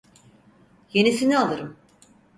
Yenisini alırım.